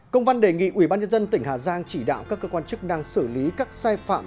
công văn đề nghị ubnd tỉnh hà giang chỉ đạo các cơ quan chức năng xử lý các sai phạm